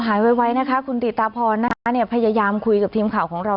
หายไว้นะคะคุณตีตาพรพยายามคุยกับทีมข่าวของเรา